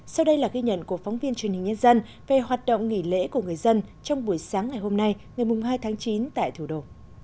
sau đây là ghi nhận của phóng viên truyền hình nhân dân về hoạt động nghỉ lễ của người dân trong buổi sáng ngày hôm nay ngày hai tháng chín tại thủ đô